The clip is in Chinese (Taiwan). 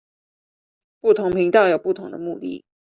不同頻道有不同的目的